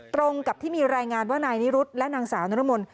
ตรงกับที่มีรายงานว่านายนิรุธและนางสาวนรมน